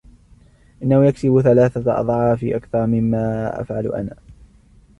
انه يكسب ثلاثة أضعاف أكثر مما افعل انا.